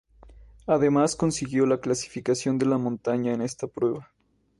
Además consiguió la clasificación de la montaña en esta prueba.